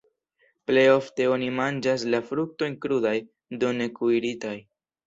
Plej ofte oni manĝas la fruktojn krudaj, do ne kuiritaj.